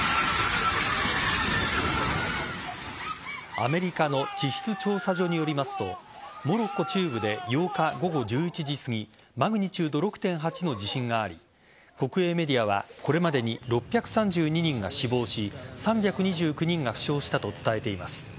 アメリカの地質調査所によりますとモロッコ中部で８日午後１１時すぎマグニチュード６．８の地震があり国営メディアはこれまでに６３２人が死亡し３２９人が負傷したと伝えています。